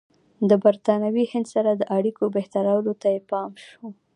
د برټانوي هند سره د اړیکو بهترولو ته یې پام شو.